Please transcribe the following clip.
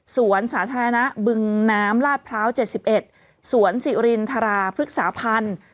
สวนสาธารณะบึงน้ำลาดพร้าวเจ็ดสิบเอ็ดสวนศิลินราภึกษาพันธุ์